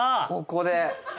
ここで。